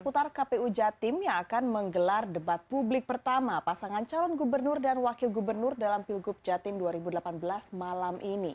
putar kpu jatim yang akan menggelar debat publik pertama pasangan calon gubernur dan wakil gubernur dalam pilgub jatim dua ribu delapan belas malam ini